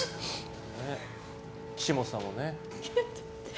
岸本さんもね。